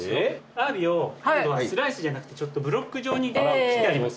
アワビをスライスじゃなくてブロック状に切ってあります。